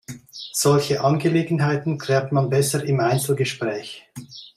Solche Angelegenheiten klärt man besser im Einzelgespräch.